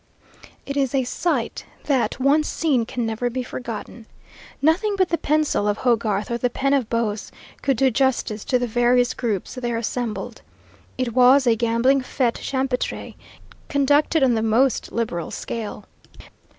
It is a sight that, once seen, can never be forgotten. Nothing but the pencil of Hogarth, or the pen of Boz, could do justice to the various groups there assembled. It was a gambling fête champetre, conducted on the most liberal scale.